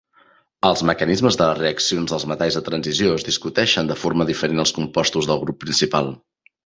Els mecanismes de les reaccions dels metalls de transició es discuteixen de forma diferent als compostos del grup principal.